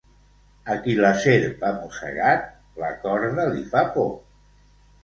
A qui la serp ha mossegat, la corda li fa por.